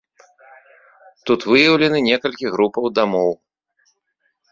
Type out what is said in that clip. Тут выяўлены некалькі групаў дамоў.